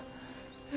え？